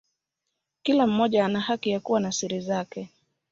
Kila mmoja ana haki ya kuwa na siri zake.